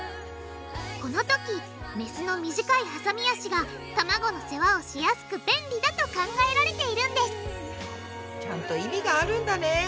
このときメスの短いはさみ脚が卵の世話をしやすく便利だと考えられているんですちゃんと意味があるんだね。